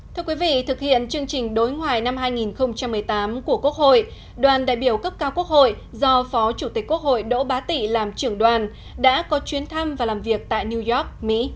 thưa quý vị thực hiện chương trình đối ngoại năm hai nghìn một mươi tám của quốc hội đoàn đại biểu cấp cao quốc hội do phó chủ tịch quốc hội đỗ bá tị làm trưởng đoàn đã có chuyến thăm và làm việc tại new york mỹ